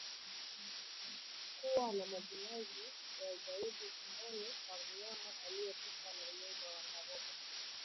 Kuwa na majimaji ya ziada tumboni kwa mnyama aliyekufa na ugonjwa wa ndorobo